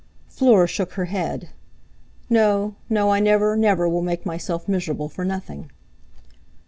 Fleur shook her head. "No, no, I never, never will make myself miserable for nothing."